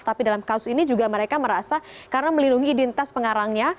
tapi dalam kasus ini juga mereka merasa karena melindungi dintas pengarangnya